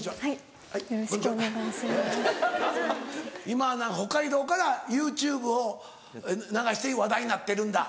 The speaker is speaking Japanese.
今北海道からＹｏｕＴｕｂｅを流して話題になってるんだ。